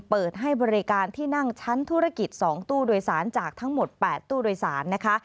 เปิดให้บริการที่นั่งชั้นธุรกิจ๒ตู้โดยสารจากทั้งหมด๘ตู้โดยสารนะคะ